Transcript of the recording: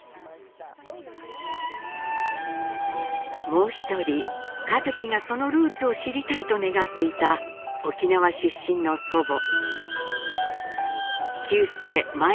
もう一人一輝がそのルーツを知りたいと願っていた沖縄出身の祖母。